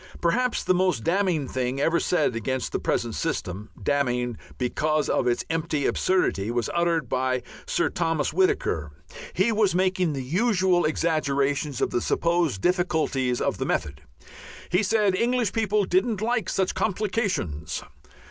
Perhaps the most damning thing ever said against the present system, damning because of its empty absurdity, was uttered by Sir Thomas Whittaker. He was making the usual exaggerations of the supposed difficulties of the method. He said English people didn't like such "complications."